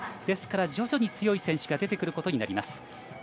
ですから、徐々に強い選手が出てくることになります。